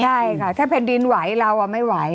ใช่ค่ะถ้าแผ่นดินไหวเราไม่ไหว